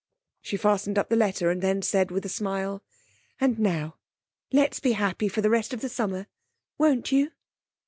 She fastened up the letter, and then said with a smile: 'And now, let's be happy the rest of the summer. Won't you?'